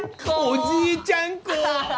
おじいちゃん子！